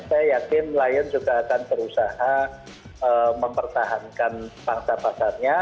saya yakin lion juga akan berusaha mempertahankan pangsa pasarnya